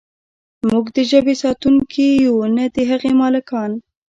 موږ د ژبې ساتونکي یو نه د هغې مالکان.